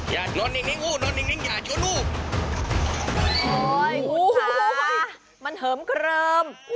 อย่านอนิงนิงหู้นอนิงนิงอย่าชวนหู้โอ้ยมันเหิมเกลิม